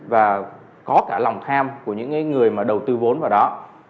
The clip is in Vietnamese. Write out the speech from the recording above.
và có cả lòng tham của những người mà đầu tư vốn vào đó